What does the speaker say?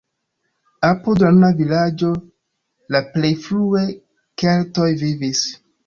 Apud la nuna vilaĝo la plej frue keltoj vivis.